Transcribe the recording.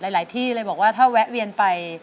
หลายที่เลยบอกว่าถ้าแวะเวียนไป